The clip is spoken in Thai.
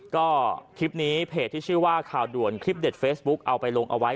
ก็คลิปนี้เพจที่ชื่อว่าข่าวด่วนคลิปเด็ดเฟซบุ๊คเอาไปลงเอาไว้